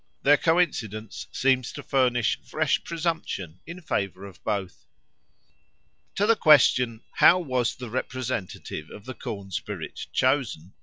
Their coincidence seems to furnish fresh presumption in favour of both. To the question, How was the representative of the corn spirit chosen?